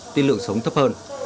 tiên lượng sống thấp hơn